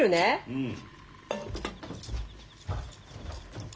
うん。